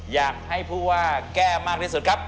อยากให้ผู้ว่าแก้มากที่สุดครับ